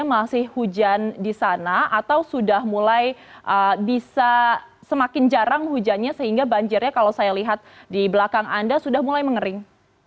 masih hujan di sana atau sudah mulai bisa semakin jarang hujannya sehingga banjirnya kalau saya lihat di belakang anda sudah mulai mengering